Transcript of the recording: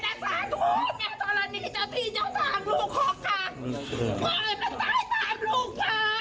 สาธุแต่ตอนนี้เจ้าที่เจ้าทางลูกขอการพ่อไอ้มันตายตามลูกชาย